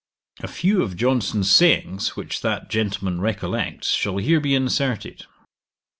A few of Johnson's sayings, which that gentleman recollects, shall here be inserted.